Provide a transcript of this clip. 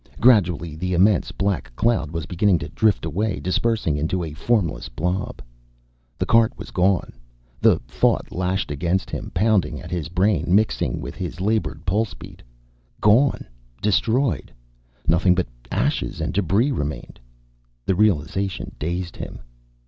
Gradually, the immense black cloud was beginning to drift away, dispersing into a formless blob. The cart was gone. The thought lashed against him, pounding at his brain, mixing with his labored pulse beat. Gone. Destroyed. Nothing but ashes and debris remained. The realization dazed him.